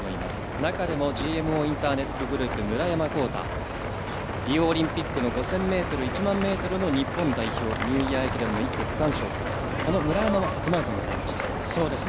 中でもＧＭＯインターネットグループ村山紘太、リオオリンピックの５０００ｍ、１００００ｍの日本代表、ニューイヤー駅伝も１区区間賞とこの村山も初マラソンです。